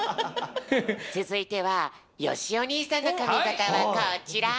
つづいてはよしお兄さんのかみがたはこちら。